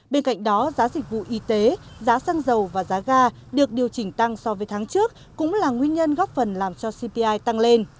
bên cạnh đó giá dịch vụ y tế giá xăng dầu và giá ga được điều chỉnh tăng so với tháng trước cũng là nguyên nhân góp phần làm cho cpi tăng lên